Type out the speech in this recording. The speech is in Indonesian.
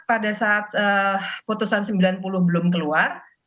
pada saat putusan sembilan puluh belum keluar